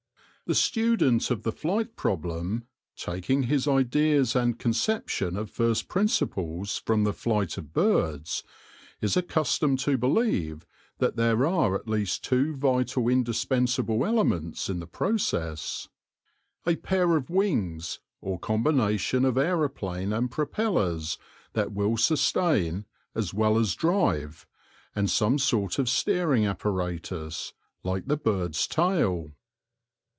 The student of the flight problem, A ROMANCE OF ANATOMY 109 taking his ideas and conception of first principles from the flight of birds, is accustomed to believe that there are at least two vital indispensable elements in the process— a pair of wings or combination of aeroplane and propellers that will sustain as well as drive, and some sort of steering apparatus like the bird's tail.